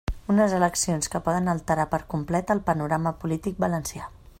Unes eleccions que poden alterar per complet el panorama polític valencià.